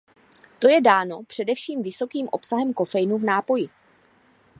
To je dáno především vysokým obsahem kofeinu v nápoji.